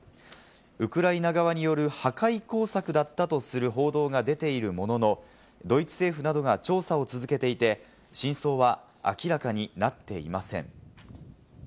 ウクライナ側による破壊工作だったとする報道が出ているものの、ドイツ政府などが調査を続けていて、真相は明らかになっていません。